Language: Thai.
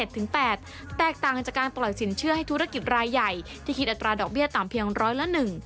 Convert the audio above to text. แตกต่างกันจากการปล่อยสินเชื่อให้ธุรกิจรายใหญ่ที่คิดอัตราดอกเบี้ยต่ำเพียงร้อยละ๑